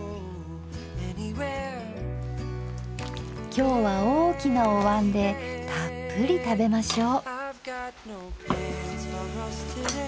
今日は大きなお椀でたっぷり食べましょう。